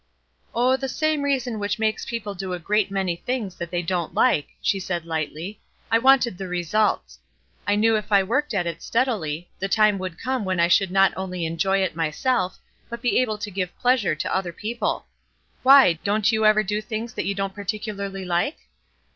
"Oh, the same reason which makes people do a great many things that they don't like," she said, lightly; "I wanted the results. I knew if I worked at it steadily the time would come when I should not only enjoy it myself, but be able to give pleasure to other people. Why? Don't you ever do things that you don't particularly like?"